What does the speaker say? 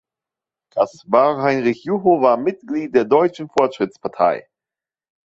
Caspar Heinrich Jucho war Mitglied der Deutschen Fortschrittspartei.